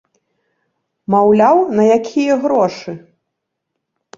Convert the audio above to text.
Маўляў, на якія грошы?